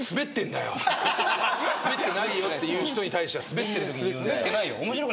スベってないよっていう人に対してはスベってるときに言うんだよ。